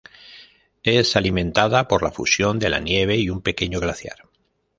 Es alimentada por la fusión de la nieve y un pequeño glaciar.